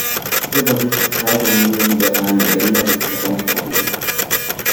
Dieser Bericht ist Teil der neoliberalen Agenda der Lissabon-Strategie.